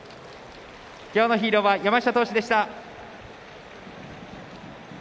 今日のヒーローは山下投手でした。